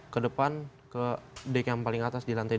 ke depan ke dek yang paling atas di lantai dua